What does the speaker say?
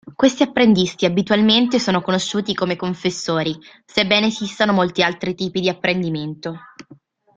Questi apprendisti abitualmente sono conosciuti come Confessori, sebbene esistano molti altri tipi di apprendimento.